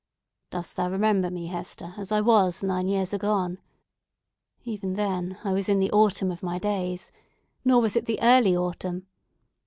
"Dost thou remember me, Hester, as I was nine years agone? Even then I was in the autumn of my days, nor was it the early autumn.